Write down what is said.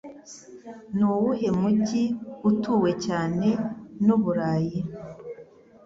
nuwuhe mujyi utuwe cyane nu Burayi?